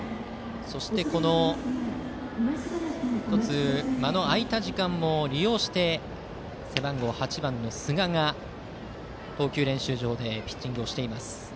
そして間の空いた時間も利用して背番号８番の寿賀が投球練習場でピッチングをしています。